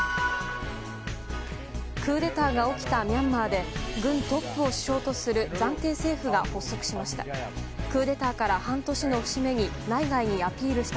クーデターが起きたミャンマーで軍トップを首相とする暫定政府が発足しました。